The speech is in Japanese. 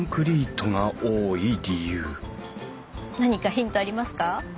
何かヒントありますか？